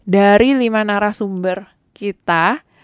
dari lima narasumber kita